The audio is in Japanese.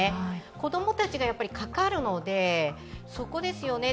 子供たちがかかるので、そこですよね。